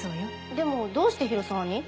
でもどうして広沢に？